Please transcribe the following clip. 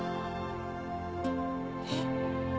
えっ